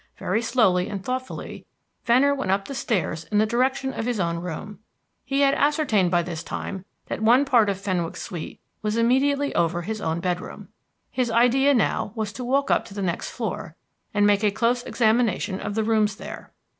Very slowly and thoughtfully, Venner went up the stairs in the direction of his own room. He had ascertained by this time that one part of Fenwick's suite was immediately over his own bedroom. His idea now was to walk up to the next floor, and make a close examination of the rooms there.